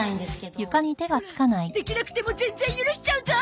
オラできなくても全然許しちゃうゾ！